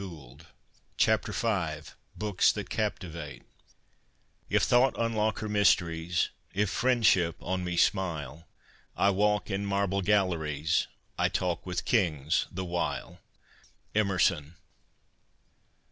V BOOKS THAT CAPTIVATE V BOOKS THAT CAPTIVATE If thought unlock her mysteries, If friendship on me smile, I walk in marble galleries, I talk with kings the while. Emerson.